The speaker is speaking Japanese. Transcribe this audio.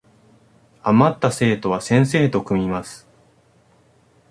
あまった生徒は先生と組みます